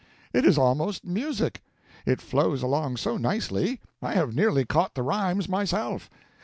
It is almost music. It flows along so nicely. I have nearly caught the rhymes myself.